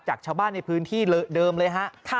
จากชาวบ้านในพื้นที่เดิมเลยฮะ